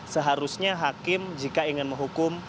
seharusnya hakim jika ingin menghukum